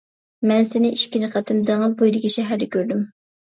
مەن سېنى ئىككىنچى قېتىم دېڭىز بويىدىكى شەھەردە كۆردۈم.